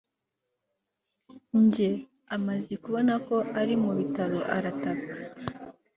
njye? amaze kubona ko ari mu bitaro, arataka